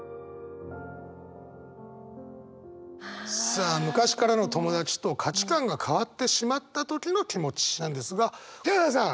さあ昔からの友達と価値観が変わってしまった時の気持ちなんですがヒャダさん！